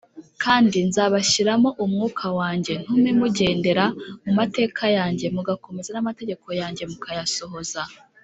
. Kandi nzabashyiramo umwuka wanjye, ntume mugendera mu mateka yanjye, mugakomeza n’amategeko yanjye mukayasohoza